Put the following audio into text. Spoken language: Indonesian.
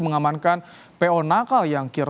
mengamankan po nakal yang kir